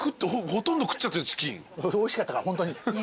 おいしかったからホントに。